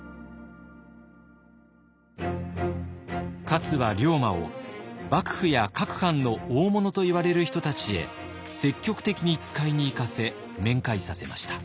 勝は龍馬を幕府や各藩の大物といわれる人たちへ積極的に使いに行かせ面会させました。